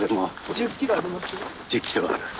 １０ｋｍあります？